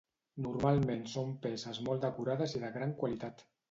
Normalment són peces molt decorades i de gran qualitat.